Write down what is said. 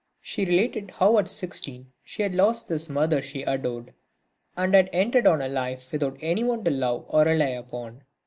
She related how at sixteen she had lost this mother she adored and had entered on a life without anyone to love or rely upon.